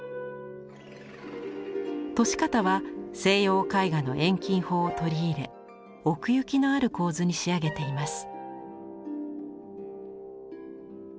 年方は西洋絵画の遠近法を取り入れ奥行きのある構図に仕上げています。